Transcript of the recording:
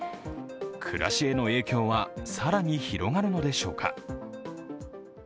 暮らしへの影響は更に広がるのでしょうか。